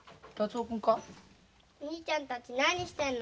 おにいちゃんたち何してんの？